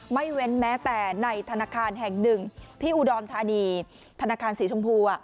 ไม่เว้นแม้แต่ในธนาคารแห่งหนึ่งที่อุดรธานีธนาคารสีชมพู